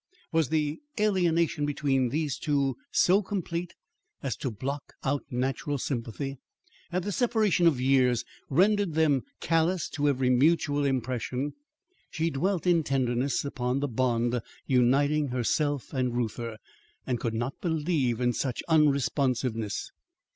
Was the alienation between these two so complete as to block out natural sympathy? Had the separation of years rendered them callous to every mutual impression? She dwelt in tenderness upon the bond uniting herself and Reuther and could not believe in such unresponsiveness.